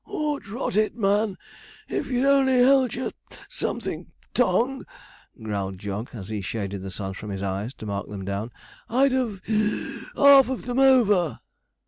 ''Ord rot it, man! if you'd only held your (something) tongue,' growled Jog, as he shaded the sun from his eyes to mark them down, 'I'd have (wheezed) half of them over.'